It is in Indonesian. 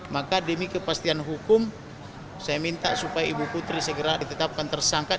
maka demi kepastian hukum saya minta supaya ibu putri segera ditetapkan tersangkat